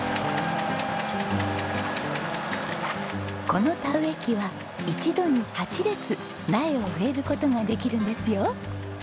この田植機は一度に８列苗を植える事ができるんですよ。